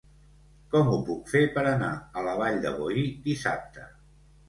Com ho puc fer per anar a la Vall de Boí dissabte?